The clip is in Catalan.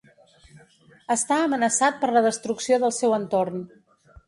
Està amenaçat per la destrucció del seu entorn.